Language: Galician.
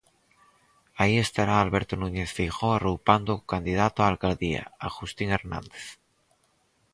Aí estará Alberto Núñez Feijóo arroupando o candidato á alcaldía, Agustín Hernández.